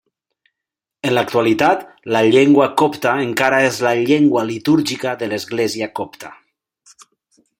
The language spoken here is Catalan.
En l'actualitat, la llengua copta encara és la llengua litúrgica de l'església copta.